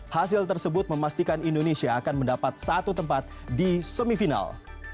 hasil tersebut memastikan indonesia akan mendapat satu tempat di semifinal